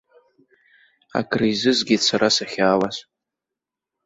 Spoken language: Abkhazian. Акреизызгеит сара сахьаауаз.